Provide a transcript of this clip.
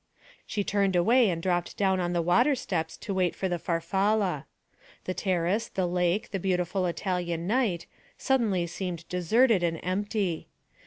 She turned away and dropped down on the water steps to wait for the Farfalla. The terrace, the lake, the beautiful Italian night, suddenly seemed deserted and empty.